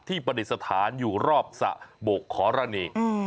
ที่ปฏิสถานอยู่รอบสะโบกขอระเนก